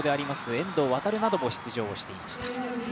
遠藤航なども出場してまいりました。